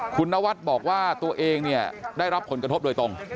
คุณนวัดบอกว่าตัวเองเนี่ยได้รับผลกระทบโดยตรง